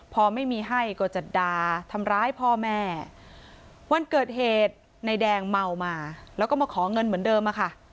พอไม่มีให้ก็จะด่าทำร้ายพ่อแม่วันเกิดเหตุนายแดงเมามาแล้วก็มาขอเงินเหมือนเดิมอะค่ะ